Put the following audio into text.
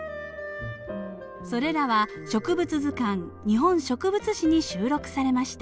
それらは植物図鑑「日本植物誌」に収録されました。